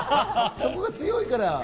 そこが強いから。